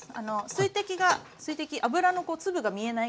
水滴が油の粒が見えないぐらい。